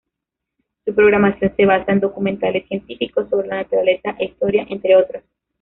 Su programación se basa en documentales científicos, sobre la naturaleza e historia, entre otros.